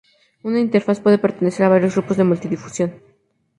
Una interfaz puede pertenecer a varios grupos multidifusión.